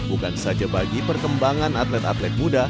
bukan saja bagi perkembangan atlet atlet muda